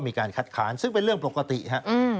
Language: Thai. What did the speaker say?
มีการคัดค้านซึ่งเป็นเรื่องปกติครับ